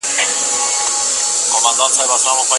روژه ځانته د لوږې نه ده.